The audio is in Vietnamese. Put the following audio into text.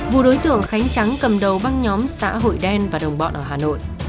vụ đối tượng khánh trắng cầm đầu băng nhóm xã hội đen và đồng bọn ở hà nội